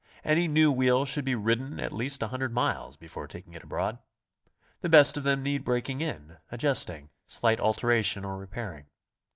Any new wheel should be ridden at least a hundred miles before taking it abroad. The best of them need breaking in, ad justing, slight alteration or repairing.